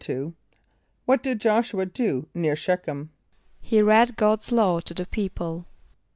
= What did J[)o]sh´u [.a] do near Sh[=e]´chem? =He read God's law to the people.